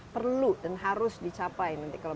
perlu dan harus dicapai nanti kalau